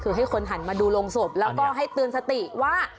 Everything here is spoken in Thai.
คือให้คนหันมาดูโรงศพแล้วก็ให้เตือนสติว่า